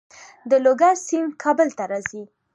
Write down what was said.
د لوګر سیند کابل ته راځي